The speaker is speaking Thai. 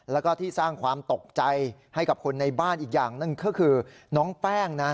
แล้วก็ที่สร้างความตกใจให้กับคนในบ้านอีกอย่างหนึ่งก็คือน้องแป้งนะ